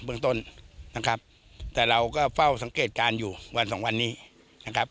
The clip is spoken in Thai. เมืองต้นนะครับแต่เราก็เฝ้าสังเกตการณ์อยู่วันสองวันนี้นะครับ